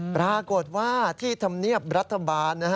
ปรากฏว่าที่ธรรมเนียบรัฐบาล